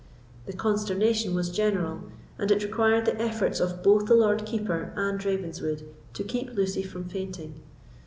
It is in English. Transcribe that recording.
The consternation was general, and it required the efforts of both the Lord Keeper and Ravenswood to keep Lucy from fainting.